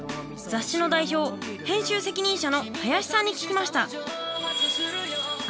雑誌の代表・編集責任者の林さんに聞きました。